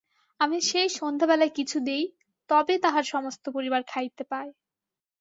আমি সেই সন্ধ্যাবেলায় কিছু দিই, তবে তাহার সমস্ত পরিবার খাইতে পায়।